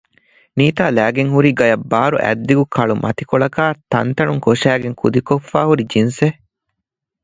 ނީތާ ލައިގެން ހުރީ ގަޔަށްބާރު އަތްދިގު ކަޅު މަތިކޮޅަކާއި ތަންތަނުން ކޮށައި ކުދިކޮށްފައި ހުރި ޖިންސެއް